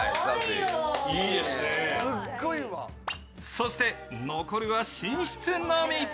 そして、残るは寝室のみ。